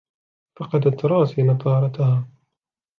فقدت تراسي نظارتها.